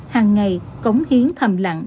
hàng ngày cống hiến thầm lặng